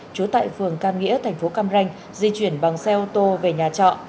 trú tại phường cam nghĩa thành phố cam ranh di chuyển bằng xe ô tô về nhà trọ